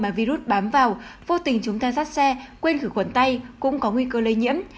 mà virus bám vào vô tình chúng ta rắt xe quên khử khuẩn tay cũng có nguy cơ lây nhiễm